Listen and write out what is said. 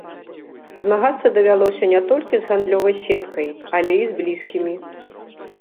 Змагацца давялося не толькі з гандлёвай сеткай, але і з блізкімі.